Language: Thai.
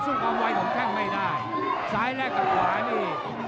ซึ่งความไวของแข้งไม่ได้ซ้ายแลกกับขวานี่